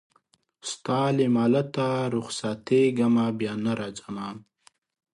ستا له مالته رخصتېږمه بیا نه راځمه